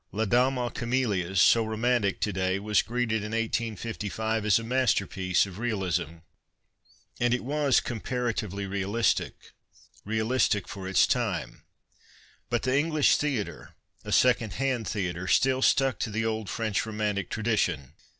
La Dame aux Camelias, so romantic to day, was greeted in 1855 as a masterpiece of realism ! And it wan comparatively realistic, realistic for its time. But the Englisii theatre, a second hand theatre, still stuck to the old French romantic tradition.